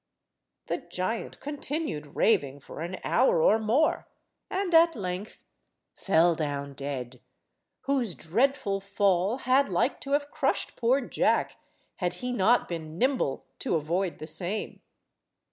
The giant continued raving for an hour or more, and at length fell down dead, whose dreadful fall had like to have crushed poor Jack had he not been nimble to avoid the same.